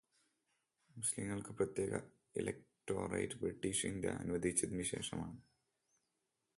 മുസ്ലിങ്ങള്ക്ക് പ്രത്യേക electorate British India അനുവദിച്ചതിനു ശേഷമാണ്